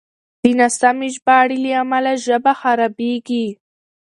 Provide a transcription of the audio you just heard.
د ناسمې ژباړې له امله ژبه خرابېږي.